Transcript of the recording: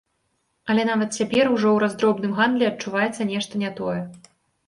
Але нават цяпер ужо ў раздробным гандлі адчуваецца нешта не тое.